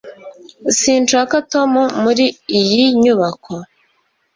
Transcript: Sinshaka Tom muri iyi nyubako